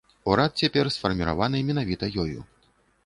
Урад цяпер сфарміраваны менавіта ёю.